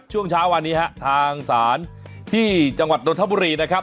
ช่วงเช้าวันนี้ฮะทางศาลที่จังหวัดนทบุรีนะครับ